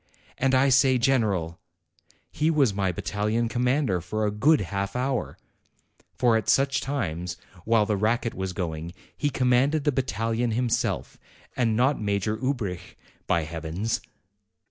And I say general ! He was my battalion commander for a good half hour; for at such times, while the racket was going, he commanded the battalion himself, and not Major Ubrich, by Heavens!"